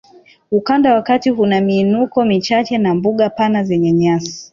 Ukanda wa kati una miinuko michache na mbuga pana zenye nyasi